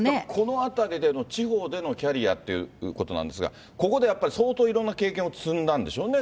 このあたりでの地方でのキャリアっていうことなんですが、ここで相当いろんな経験を積んだんでしょうね。